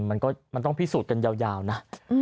มันก็มันต้องพิสูจน์กันยาวนะ